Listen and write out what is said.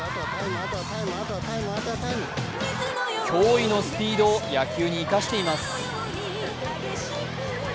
驚異のスピードを野球に生かしています。